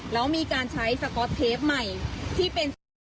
แล้วมีการใช้สก๊อตเทปใหม่ที่เป็นสก๊อต